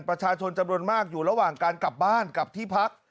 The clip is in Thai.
ประชาชนจำนวนมากอยู่ระหว่างการกลับบ้านกับที่พัก